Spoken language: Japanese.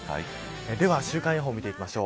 では週間予報を見ていきましょう。